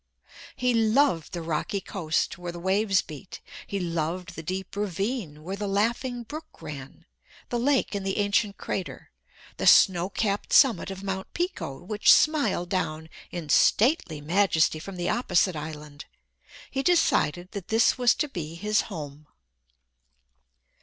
He loved the rocky coast where the waves beat. He loved the deep ravine where the laughing brook ran, the lake in the ancient crater, the snow capped summit of Mt. Pico which smiled down in stately majesty from the opposite island. He decided that this was to be his home.